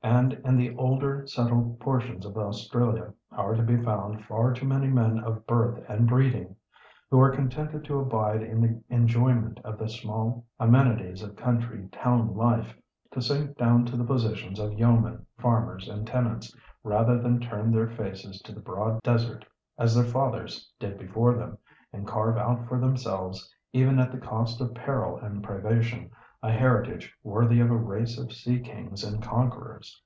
And, in the older settled portions of Australia are to be found far too many men of birth and breeding who are contented to abide in the enjoyment of the small amenities of country town life, to sink down to the positions of yeomen, farmers, and tenants, rather than turn their faces to the broad desert as their fathers did before them, and carve out for themselves, even at the cost of peril and privation, a heritage worthy of a race of sea kings and conquerors.